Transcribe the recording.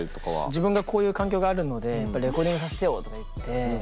自分がこういう環境があるので「レコーディングさせてよ！」とか言って。